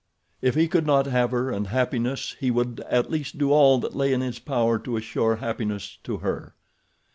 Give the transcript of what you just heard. If he could not have her and happiness, he would at least do all that lay in his power to assure happiness to her.